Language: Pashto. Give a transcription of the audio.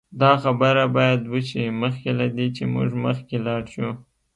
دا خبره باید وشي مخکې له دې چې موږ مخکې لاړ شو